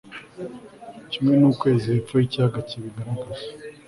Kimwe nukwezi hepfo yikiyaga kibigaragaza